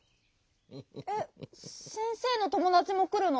え先生のともだちもくるの？